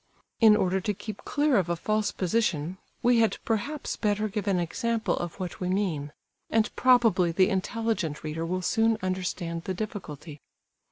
In order to keep clear of a false position, we had perhaps better give an example of what we mean; and probably the intelligent reader will soon understand the difficulty.